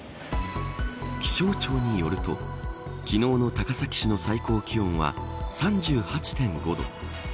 気象庁によると昨日の高崎市の最高気温は３８．５度。